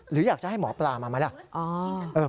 หรืออยากจะให้หมอปรามาแล้ว